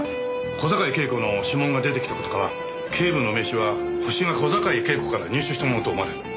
小坂井恵子の指紋が出てきた事から警部の名刺はホシが小坂井恵子から入手したものと思われる。